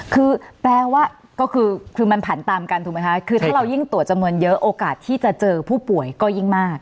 คือแปลว่าก็คือมันผันตามกันถูกไหมคะคือถ้าเรายิ่งตรวจจำนวนเยอะโอกาสที่จะเจอผู้ป่วยก็ยิ่งมาก